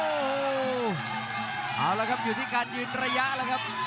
โอ้โหเอาละครับอยู่ที่การยืนระยะแล้วครับ